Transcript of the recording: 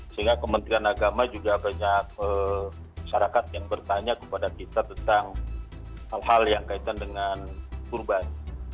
sehingga kementerian agama juga banyak masyarakat yang bertanya kepada kita tentang hal hal yang kaitan dengan kurban